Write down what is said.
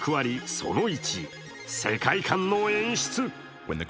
その１、世界観の演出。